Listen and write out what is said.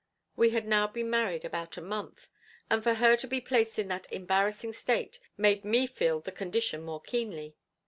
We had now been married about a month, and for her to be placed in that embarrassing state made me feel the condition more keenly.